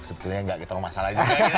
sebetulnya nggak gitu loh masalahnya